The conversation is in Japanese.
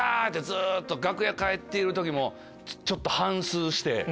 ずっと楽屋帰ってる時もちょっと反すうして。